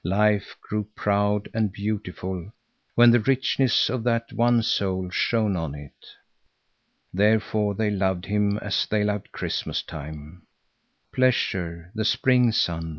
Life grew proud and beautiful when the richness of that one soul shone on it. Therefore they loved him as they loved Christmas time, pleasure, the spring sun.